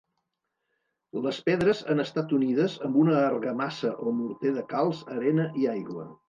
Les pedres han estat unides amb una argamassa o morter de calç, arena i aigua.